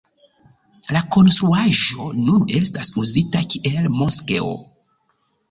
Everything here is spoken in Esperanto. La konstruaĵo nun estas uzita kiel moskeo.